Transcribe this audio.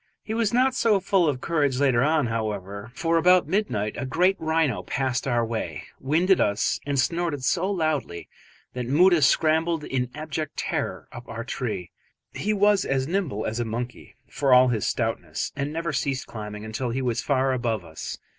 He was not so full of courage later on, however, for about midnight a great rhino passed our way, winded us and snorted so loudly that Moota scrambled in abject terror up our tree. He was as nimble as a monkey for all his stoutness, and never ceased climbing until he was far above us.